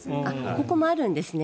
ここもあるんですね。